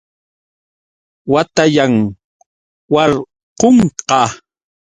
Watayan. warkunqa.